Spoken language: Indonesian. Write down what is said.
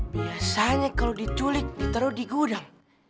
biasanya kalau diculik ditaruh di gudang